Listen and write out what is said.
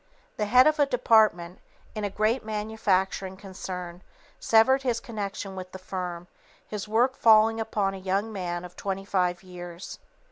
The head of a department in a great manufacturing concern severed his connection with the firm, his work falling upon a young man of twenty five years.